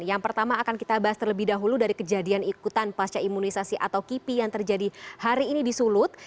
yang pertama akan kita bahas terlebih dahulu dari kejadian ikutan pasca imunisasi atau kipi yang terjadi hari ini di sulut